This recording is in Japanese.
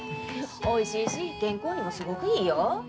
おいしいし健康にもすごくいいよ。